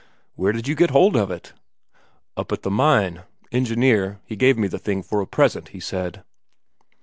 "Where did you get hold of it?" "Up at the mine. Engineer, he gave me the thing for a present, he said."